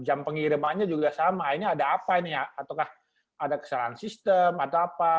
jam pengirimannya juga sama ini ada apa ini ataukah ada kesalahan sistem atau apa